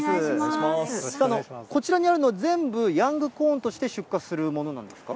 こちらにあるのは、全部、ヤングコーンとして出荷するものなんですか？